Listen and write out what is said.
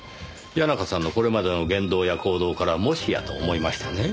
谷中さんのこれまでの言動や行動からもしやと思いましてね。